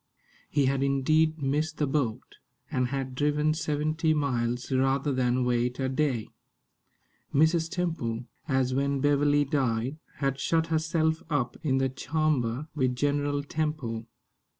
He had indeed missed the boat, and had driven seventy miles rather than wait a day. Mrs. Temple, as when Beverley died, had shut herself up in the "charmber" with General Temple.